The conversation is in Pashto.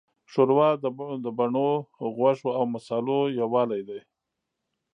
ښوروا د بڼو، غوښو، او مصالحو یووالی دی.